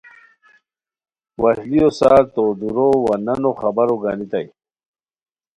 وشلیو سار تو ُ دورو وا نانو خیرو خبر گانیتائے